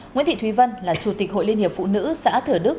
nguyễn thị thúy vân là chủ tịch hội liên hiệp phụ nữ xã thửa đức